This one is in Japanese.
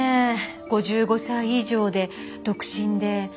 ５５歳以上で独身で。